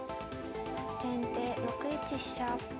先手６一飛車。